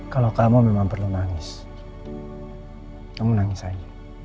kalau kamu memang perlu nangis kamu nangis aja